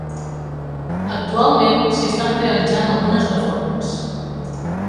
Actualment s'hi estan realitzant algunes reformes.